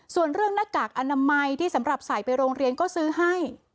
ส่วนเรื่องหน้ากากอนามัยที่สำหรับใส่ไปโรงเรียนก็ซื้อให้